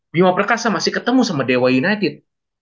bima perkasa masih ketemu sama dewa united